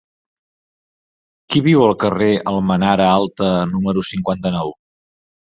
Qui viu al carrer d'Almenara Alta número cinquanta-nou?